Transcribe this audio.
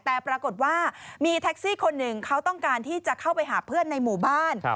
แต่ปรากฏว่ามีแท็กซี่คนหนึ่งเขาต้องการที่จะเข้าไปหาเพื่อนในหมู่บ้าน